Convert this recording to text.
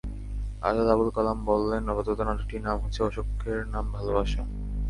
আজাদ আবুল কালাম বললেন, আপাতত নাটকটির নাম হচ্ছে অসুখের নাম ভালোবাসা।